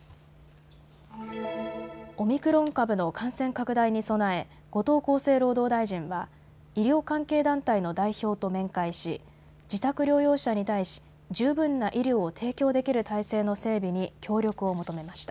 オミクロン株の感染拡大に備え、後藤厚生労働大臣は医療関係団体の代表と面会し自宅療養者に対し、十分な医療を提供できる体制の整備に協力を求めました。